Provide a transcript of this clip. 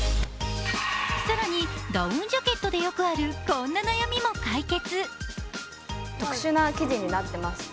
更に、ダウンジャケットでよくあるこんな悩みも解決。